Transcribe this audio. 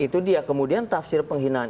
itu dia kemudian tafsir penghinaan